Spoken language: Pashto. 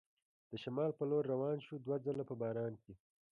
د شمال په لور روان شو، دوه ځله په باران کې.